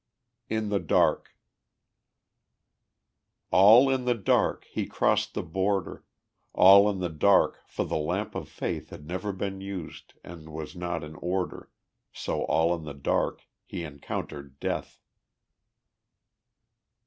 In the Dark All in the dark he crossed the border! All in the dark, for the lamp of faith Had never been used, and was not in order So all in the dark he encountered Death.